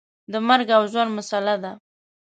د مرګ او ژوند مسله ده.